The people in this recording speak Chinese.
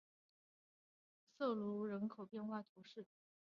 瑟卢人口变化图示